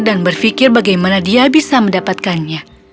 dan berfikir bagaimana dia bisa mendapatkannya